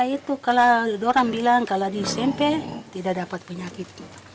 itu kalau orang bilang kalau di smp tidak dapat penyakit